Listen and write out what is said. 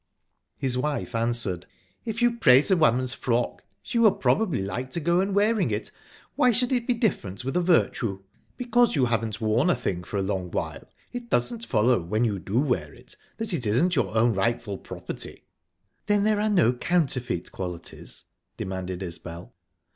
His wife answered: "If you praise a woman's frock, she will probably like to go on wearing it. Why should it be different with a virtue? Because you haven't worn a thing for a long while, it doesn't follow, when you do wear it, that it isn't your own rightful property." "Then there are no counterfeit qualities?" demanded Isbel.